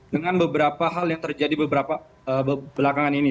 dengan beberapa hal yang terjadi belakangan ini